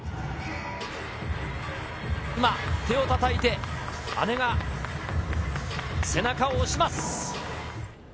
今、手を叩いて姉が背中を押します。